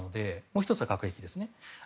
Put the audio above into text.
もう１つは核兵器ですね。